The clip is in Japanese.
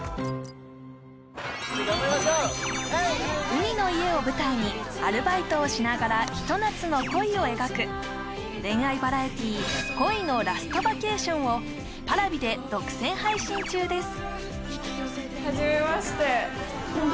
海の家を舞台にアルバイトをしながらひと夏の恋を描く恋愛バラエティー「恋のＬａｓｔＶａｃａｔｉｏｎ」をＰａｒａｖｉで独占配信中です